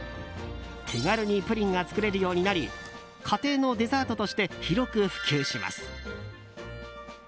手軽にプリンが作れるようになり家庭のデザートとして広く普及します。